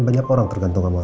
banyak orang tergantung sama